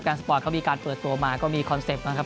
สปอร์ตเขามีการเปิดตัวมาก็มีคอนเซ็ปต์นะครับ